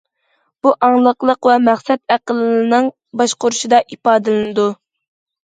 بۇ ئاڭلىقلىق ۋە مەقسەت ئەقىلنىڭ باشقۇرۇشىدا ئىپادىلىنىدۇ.